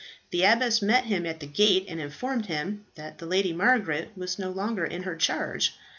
The abbess met him at the gate, and informed him that the Lady Margaret was no longer in her charge.